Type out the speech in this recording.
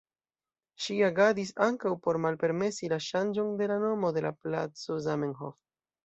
Ŝi agadis ankaŭ por malpermesi la ŝanĝon de la nomo de la placo Zamenhof.